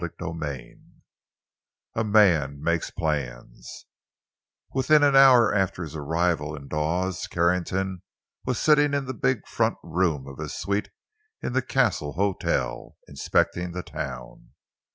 CHAPTER VI—A MAN MAKES PLANS Within an hour after his arrival in Dawes, Carrington was sitting in the big front room of his suite in the Castle Hotel, inspecting the town.